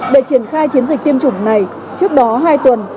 để triển khai chiến dịch tiêm chủng này trước đó hai tuần